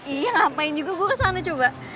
iya ngapain juga gue ke sana coba